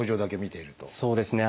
そうですね。